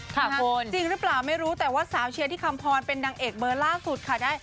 ค่ะคุณจริงหรือเปล่าไม่รู้แต่ว่าสาวเชียร์ที่คำพรเป็นนางเอกเบอร์ล่าสุดค่ะได้